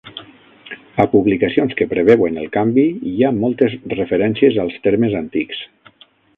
A publicacions que preveuen el canvi hi ha moltes referències als termes antics.